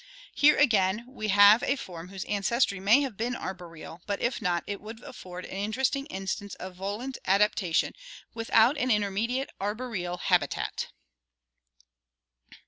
Here, again, we have a form whose ancestry may have been arboreal, but if not, it would afford an interesting instance of volant adaptation without an intermediate arboreal habitat.